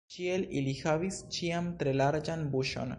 Ĉiel ili havis ĉiam tre larĝan buŝon.